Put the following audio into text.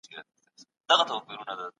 تدريس د ځانګړو اهدافو له پاره کېږي.